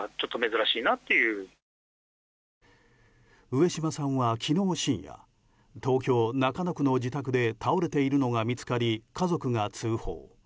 上島さんは昨日深夜東京・中野区の自宅で倒れているのが見つかり家族が通報。